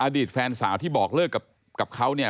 อดีตแฟนสาวที่บอกเลิกกับเขาเนี่ย